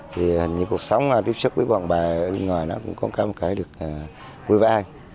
thì hình như cuộc sống tiếp xúc với bọn bà ở bên ngoài nó cũng có một cái được vui và ai